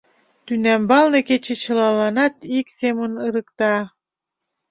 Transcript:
Тӱнямбалне кече чылаланат ик семын ырыкта...»